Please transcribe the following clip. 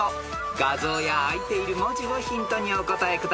［画像やあいている文字をヒントにお答えください］